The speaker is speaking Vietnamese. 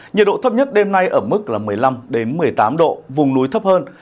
nhiệt độ thấp nhất đêm nay ở mức một mươi năm một mươi tám độ vùng núi thấp hơn